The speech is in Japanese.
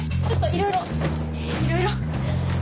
ちょっといろいろいろいろ。